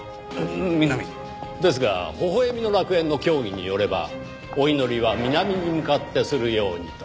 ですが微笑みの楽園の教義によればお祈りは南に向かってするようにと。